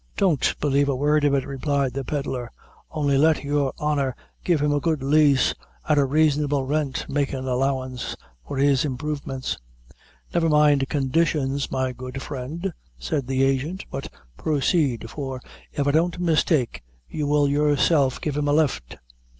"Don't b'lieve a word of it," replied the Pedlar. "Only let your honor give him a good lease, at a raisonable rint, makin' allowance for his improvements " "Never mind conditions, my good friend," said the agent, "but proceed; for, if I don't mistake, you will yourself give him a lift."